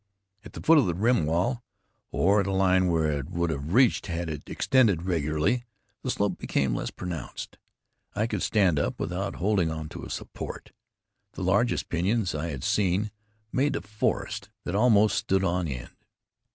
At the foot of the rim wall, or at a line where it would have reached had it extended regularly, the slope became less pronounced. I could stand up without holding on to a support. The largest pinyons I had seen made a forest that almost stood on end.